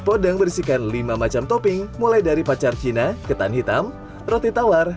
podang berisikan lima macam topping mulai dari pacar cina ketan hitam roti tawar